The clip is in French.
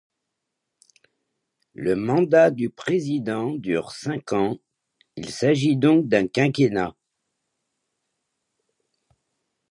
Le mandat du président dure cinq ans, il s'agit donc d'un quinquennat.